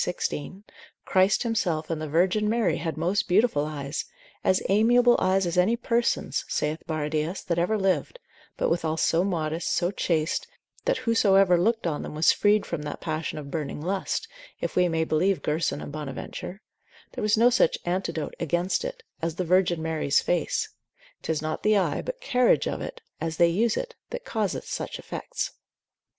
16. Christ himself, and the Virgin Mary, had most beautiful eyes, as amiable eyes as any persons, saith Baradius, that ever lived, but withal so modest, so chaste, that whosoever looked on them was freed from that passion of burning lust, if we may believe Gerson and Bonaventure: there was no such antidote against it, as the Virgin Mary's face; 'tis not the eye, but carriage of it, as they use it, that causeth such effects.